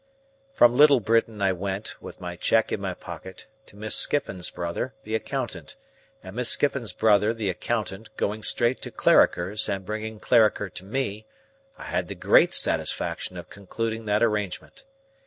From Little Britain I went, with my check in my pocket, to Miss Skiffins's brother, the accountant; and Miss Skiffins's brother, the accountant, going straight to Clarriker's and bringing Clarriker to me, I had the great satisfaction of concluding that arrangement.